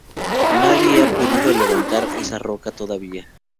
Nadie ha podido levantar esa roca, todavía.